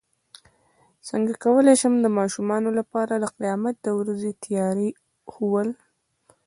څنګه کولی شم د ماشومانو لپاره د قیامت د ورځې تیاري ښوول